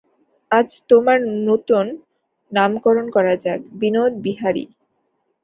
আজ তোমার নূতন নামকরণ করা যাক-বিনোদ-বিহারী।